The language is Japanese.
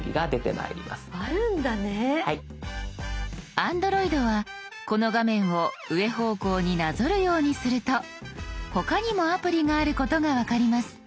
Ａｎｄｒｏｉｄはこの画面を上方向になぞるようにすると他にもアプリがあることが分かります。